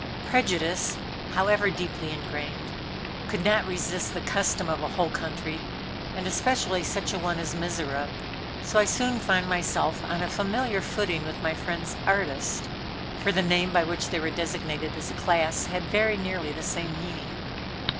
Prejudice, however deeply ingrained, could not resist the custom of a whole country, and especially such a one as Mizora, so I soon found myself on a familiar footing with my friend's "artist" for the name by which they were designated as a class had very nearly the same meaning.